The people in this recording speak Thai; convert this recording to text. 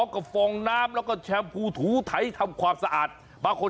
กับฟองน้ำและแชมพูถูไถทำความสะอาด